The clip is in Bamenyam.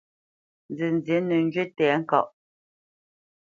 Nzənzí nə́ njywi tɛ̌ŋkaʼ.